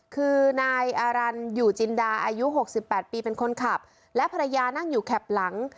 คือนายอารันอยู่จินดาอายุหกสิบแปดปีเป็นคนขับและภรรยานั่งอยู่แคบหลัง